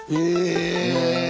へえ。